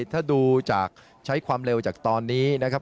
ถ้าดูจากใช้ความเร็วจากตอนนี้นะครับ